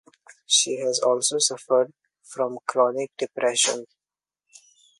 She has also suffered from chronic depression.